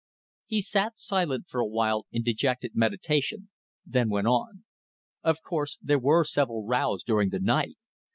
He sat silent for a while in dejected meditation, then went on: "Of course there were several rows during the night.